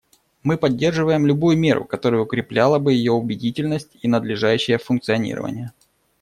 Мы поддерживаем любую меру, которая укрепляла бы ее убедительность и надлежащее функционирование.